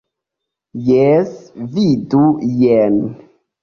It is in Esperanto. Jes, vidu jen.